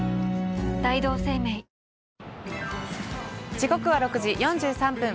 時刻は６時４３分。